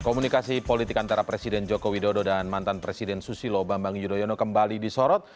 komunikasi politik antara presiden joko widodo dan mantan presiden susilo bambang yudhoyono kembali disorot